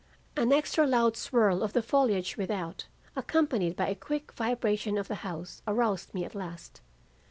"An extra loud swirl of the foliage without, accompanied by a quick vibration of the house, aroused me at last.